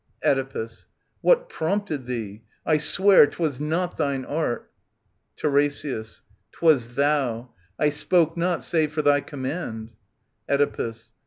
Oedipus. What prompted thee ? I swear *twas not thine art. TiRESIAS. *Twa$ thou. I spoke not, save for thy command. Oedipus.